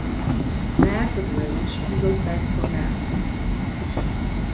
Mad with rage, he goes back for Matt.